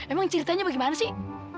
emang ceritanya bagaimana sih